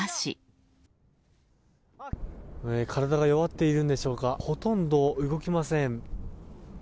体が弱っているんでしょうかほとんど動きません。